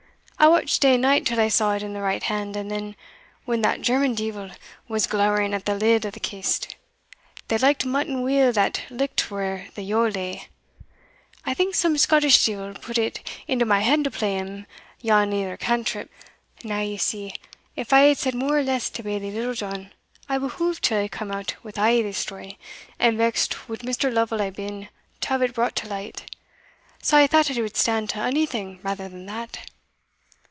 I watched day and night till I saw it in the right hand; and then, when that German deevil was glowering at the lid o' the kist (they liked mutton weel that licked where the yowe lay), I think some Scottish deevil put it into my head to play him yon ither cantrip. Now, ye see, if I had said mair or less to Bailie Littlejohn, I behoved till hae come out wi' a' this story; and vexed would Mr. Lovel hae been to have it brought to light sae I thought I would stand to onything rather than that."